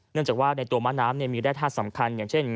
เนื่องจากว่าในตัวม้าน้ำมีแร่ธาตุสำคัญอย่างเช่น